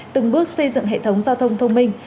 từng bước xây dựng hệ thống giao thông thông minh